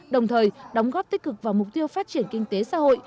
đồng thời đóng góp tích cực vào mục tiêu phát triển kinh tế xã hội